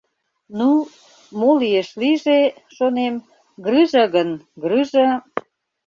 «Ну, мо лиеш, лийже, — шонем, — грыжа гын, грыжа!